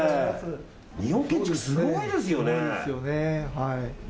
日本建築、すごいですよね。